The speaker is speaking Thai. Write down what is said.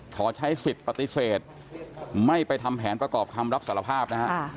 ขอใช้สิทธิ์ปฏิเสธไม่ไปทำแผนประกอบคำรับสารภาพนะฮะ